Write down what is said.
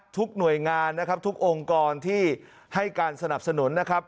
ทุกหน่วยงานนะครับทุกองค์กรที่ให้การสนับสนุนนะครับ